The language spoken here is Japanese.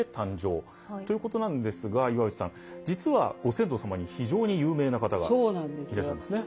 ということなんですが岩渕さん実はご先祖様に非常に有名な方がいらっしゃいますね。